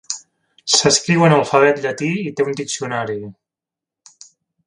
S'escriu en alfabet llatí i té un diccionari.